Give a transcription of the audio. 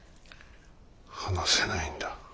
話せないんだ。